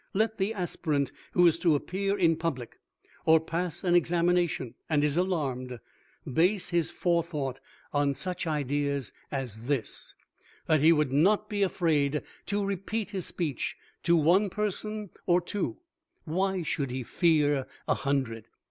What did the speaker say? Let the aspirant who is to appear in public, or pass an examination, and is alarmed, base his forethought on such ideas as this, that he would not be afraid to repeat his speech to one person or two why should he fear a hundred?